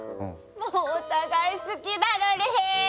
もうお互い好きなのに。